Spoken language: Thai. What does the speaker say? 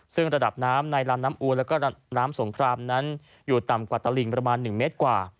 ซึ่งระดับน้ำในลำน้ำอูนแล้วก็น้ำสงครามนั้นอยู่ต่ำกว่าตลิงประมาณ๑เมตรกว่า